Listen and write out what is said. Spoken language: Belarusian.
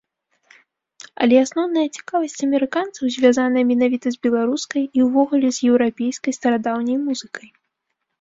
Але асноўная цікавасць амерыканцаў звязаная менавіта з беларускай і ўвогуле з еўрапейскай старадаўняй музыкай.